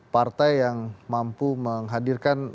partai yang mampu menghadirkan